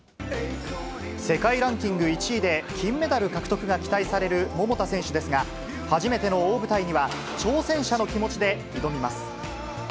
世界ランキング１位で金メダル獲得が期待される桃田選手ですが、初めての大舞台には挑戦者の気持ちで挑みます。